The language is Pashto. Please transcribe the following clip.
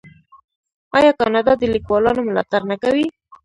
آیا کاناډا د لیکوالانو ملاتړ نه کوي؟